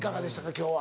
今日は。